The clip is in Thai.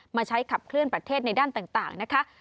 มาใช้ขับเคลื่อนประเทศในด้านต่างนะคะ